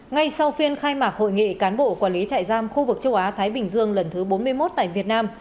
ngay sau phiên khai mạc hội nghị cán bộ quản lý trại giam khu vực châu á thái bình dương lần thứ bốn mươi một tại việt nam